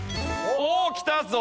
おおきたぞ！